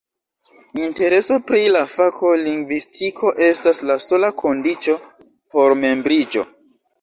Intereso pri la fako lingvistiko estas la sola kondiĉo por membriĝo.